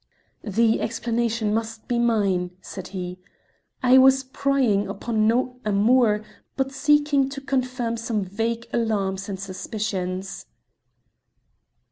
"The explanation must be mine," said he. "I was prying upon no amour, but seeking to confirm some vague alarms and suspicions."